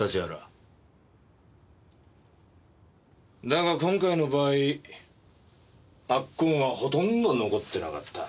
だが今回の場合圧痕はほとんど残ってなかった。